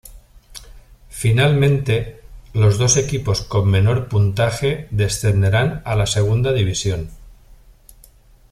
Finalmente, los dos equipos con menor puntaje descenderán a la Segunda División.